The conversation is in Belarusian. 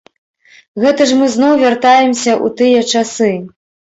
Гэта ж мы зноў вяртаемся ў тыя часы!